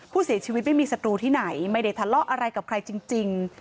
ผู้เสียชีวิตไม่มีศัตรูที่ไหนไม่ได้ทะเลาะอะไรกับใครจริง